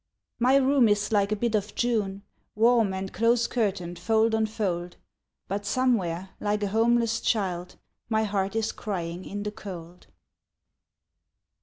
My room is like a bit of June, Warm and close curtained fold on fold, But somewhere, like a homeless child, My heart is crying in the cold.